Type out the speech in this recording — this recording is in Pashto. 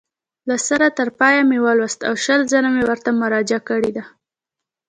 له سره تر پایه مې ولوست او شل ځله مې ورته مراجعه کړې ده.